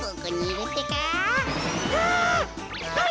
あ！